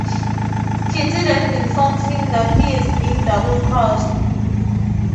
Kitty then informs him that he is being double-crossed.